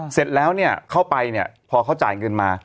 เสร็จแล้วเข้าไปพอเขาจ่ายเงินมา